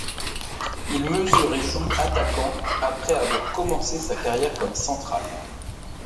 Il mesure et joue attaquant après avoir commencé sa carrière comme central.